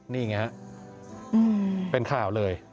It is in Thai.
นี่ไงฮะเป็นข่าวเลย